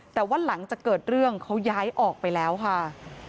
แต่ว่าหลังจากเกิดเรื่องเขาย้ายออกไปแล้วค่ะ